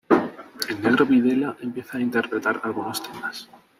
El Negro Videla empieza a interpretar algunos temas.